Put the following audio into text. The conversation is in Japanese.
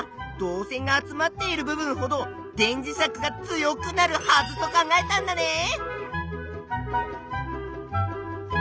導線が集まっている部分ほど電磁石が強くなるはずと考えたんだね！